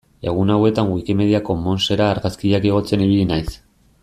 Egun hauetan Wikimedia Commonsera argazkiak igotzen ibili naiz.